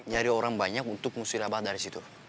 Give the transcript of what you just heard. nyari orang banyak untuk ngusir abah dari situ